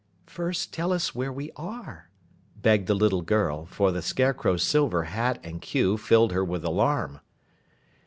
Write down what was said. "First tell us where we are," begged the little girl, for the Scarecrow's silver hat and queue filled her with alarm.